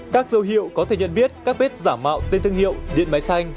các dấu hiệu có thể nhận biết các bếp giả mạo tên thương hiệu điện máy xanh